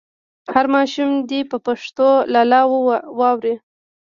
هر ماشوم دې په پښتو لالا واوري.